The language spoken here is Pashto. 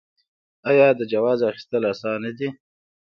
آیا د جواز اخیستل اسانه دي؟